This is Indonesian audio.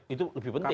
itu lebih penting